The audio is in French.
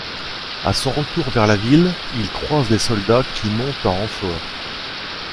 À son retour vers la ville, il croise les soldats qui montent en renfort.